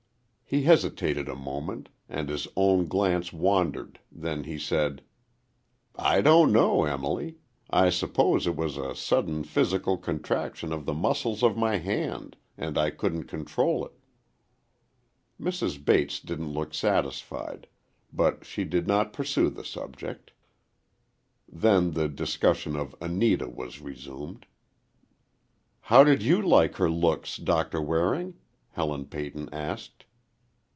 He hesitated a moment, and his own glance wandered, then he said, "I don't know, Emily; I suppose it was a sudden physical contraction of the muscles of my hand—and I couldn't control it." Mrs. Bates didn't look satisfied, but she did not pursue the subject. Then the discussion of Anita was resumed. "How did you like her looks, Doctor Waring?" Helen Peyton asked.